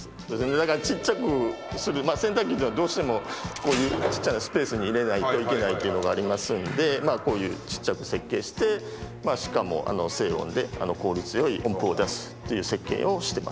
だからちっちゃく洗濯機ではどうしてもこういうちっちゃなスペースに入れないといけないというのがありますんでこういうちっちゃく設計してしかも静音で効率よい温風を出すという設計をしてます。